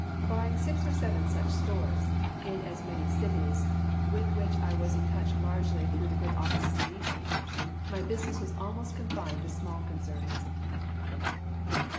Barring six or seven such stores, in as many cities, with which I was in touch largely through the good offices of Eaton, my business was almost confined to small concerns.